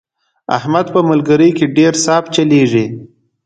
احمد په ملګرۍ کې ډېر صاف چلېږي.